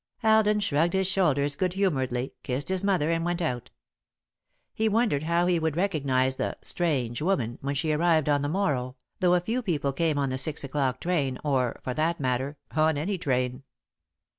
Alden shrugged his shoulders good humouredly, kissed his mother, and went out. He wondered how he would recognise the "strange woman" when she arrived on the morrow, though few people came on the six o'clock train, or, for that matter, on any train.